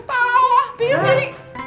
tau lah pius jadi